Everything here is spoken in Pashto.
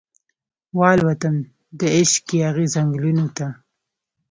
والوتم دعشق یاغې ځنګلونو ته